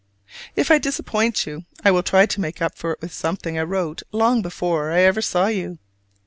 If I disappoint you I will try to make up for it with something I wrote long before I ever saw you.